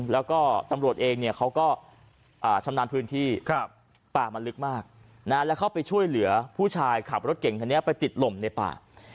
แล้วก็ตำรวจเองเนี่ยเขาก็ชำนาญพื้นที่ป่ามันลึกมากแล้วเข้าไปช่วยเหลือผู้ชายขับรถเก่งคันนี้ไปติดลมในป่า